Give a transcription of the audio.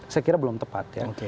saya kira belum tepat ya